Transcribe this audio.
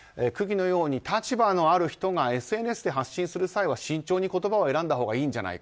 区議のように立場のある人がＳＮＳで発信する際は慎重に言葉を選んだほうがいい。